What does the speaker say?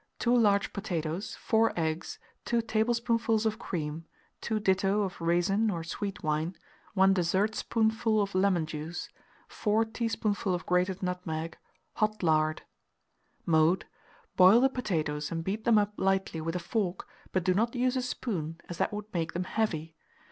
2 large potatoes, 4 eggs, 2 tablespoonfuls of cream, 2 ditto of raisin or sweet wine, 1 dessertspoonful of lemon juice, 4 teaspoonful of grated nutmeg, hot lard. [Illustration: SCROLL FRITTER MOULD.] Mode. Boil the potatoes, and beat them up lightly with a fork, but do not use a spoon, as that would make them heavy.